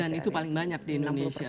dan itu paling banyak di indonesia